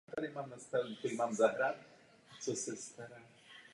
V obci je možné nalézt antukové hřiště a fotbalové hřiště na malou kopanou.